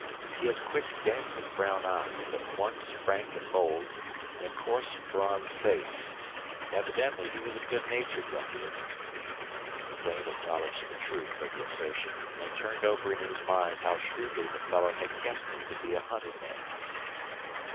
He had quick, dancing brown eyes, at once frank and bold, and a coarse, bronzed face. Evidently he was a good natured ruffian. Duane acknowledged the truth of the assertion, and turned over in his mind how shrewdly the fellow had guessed him to be a hunted man.